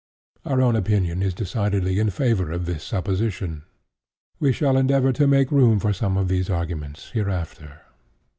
Our own opinion is decidedly in favor of this supposition. We shall endeavor to make room for some of these arguments hereafter."